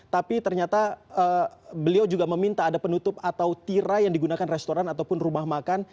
tapi ternyata beliau juga meminta ada penutup atau tirai yang digunakan restoran ataupun rumah makan